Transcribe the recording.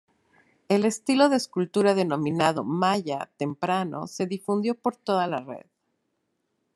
El estilo de escultura denominado maya temprano se difundió por toda la red.